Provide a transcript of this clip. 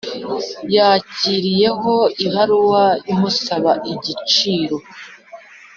yakiriyeho ibaruwa imusaba igiciro